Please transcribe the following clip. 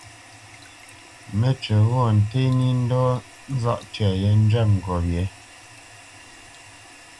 Mə́cywǐ ghɔ̂ nté nǐ ndɔ̌ nzáʼ tyə yé njwɛ̂p ngop yě.